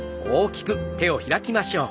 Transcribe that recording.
大きく開きます。